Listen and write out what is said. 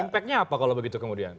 impactnya apa kalau begitu kemudian